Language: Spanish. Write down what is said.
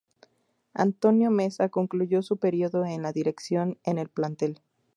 Antonio Meza concluyó su periodo en la dirección en el plantel.